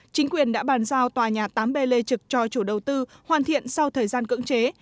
chính quyền đã bàn giao tòa nhà tám b lê trực cho chủ đầu tư hoàn thiện sau thời gian cưỡng chế